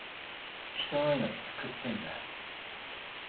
人の命救ってんだよ。